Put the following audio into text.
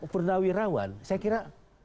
pernah wirawan saya kira